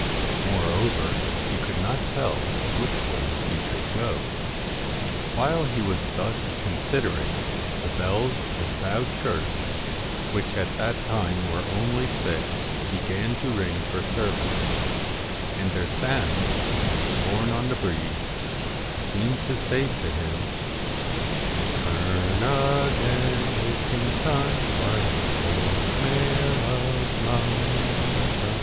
Moreover he could not tell which way he should go. While he was thus considering, the bells of Bow Church, which at that time were only six, began to ring for service, and their sound, borne on the breeze, seemed to say to him * Turn a gain, Whitt ing ton, Thrice Lord Mayor of Lon don.'